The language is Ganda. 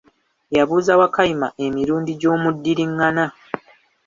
Yabuuza Wakayima emirundi gy'omuddiringana .